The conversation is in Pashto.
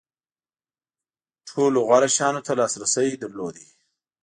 ټولو غوره شیانو ته لاسرسی درلود.